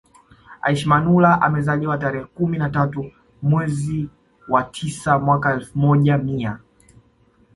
Aishi Manula amezaliwa tarehe kumi na tatu mwezi wa tisa mwaka elfu moja mia